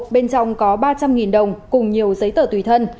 bên trong có ba trăm linh đồng cùng nhiều giấy tờ tùy thân